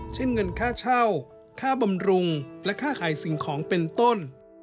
เช่นเงินค่าเช่าค่าบำรุงและค่าขายสิ่งของเป็นต้น